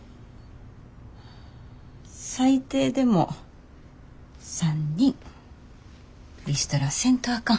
最低でも３人リストラせんとあかん。